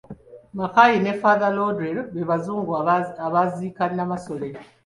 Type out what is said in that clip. Mackay ne Father Lourdel be Bazungu abaaziika Namasole.